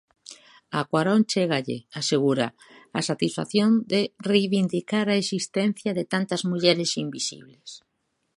A Cuarón chégalle, asegura, a satisfacción de reivindicar a existencia de tantas mulleres invisibles.